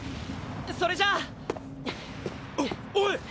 それじゃあ！おおい！